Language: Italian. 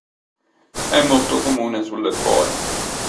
È molto comune sulle boe.